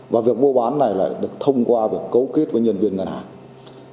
và việc mua bán này lại được thông qua việc cấu kết với nhân viên ngân hàng